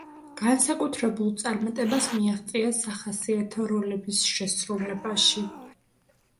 განსაკუთრებულ წარმატებას მიაღწია სახასიათო როლების შესრულებაში.